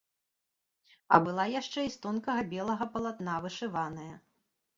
А была яшчэ і з тонкага белага палатна, вышываная.